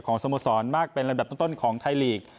ของสมสรรค์มากเป็นระดับต้นของไทยลีก